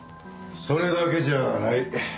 それだけじゃない。